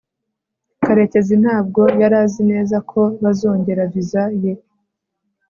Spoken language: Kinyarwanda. karekezi ntabwo yari azi neza ko bazongera viza ye